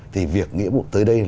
thì việc nghĩa vụ tới đây